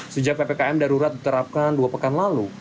sejak ppkm darurat diterapkan dua pekan lalu